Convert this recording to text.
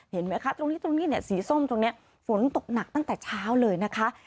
เห็นไหมคะตรงนี้สีส้มตรงนี้ฝนตกหนักตั้งแต่เช้าเลยนะคะ